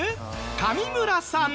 上村さん。